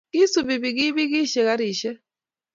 kisupi pikipikishek karishek